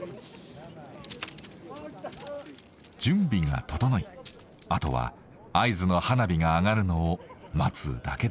準備が整いあとは合図の花火が上がるのを待つだけです。